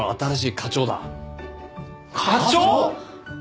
課長！？